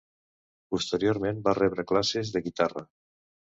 Posteriorment va rebre classes de guitarra.